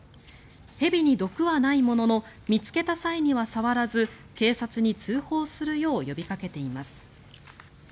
蛇に毒はないものの見つけた際は触らず警察に通報するよう呼びかけています。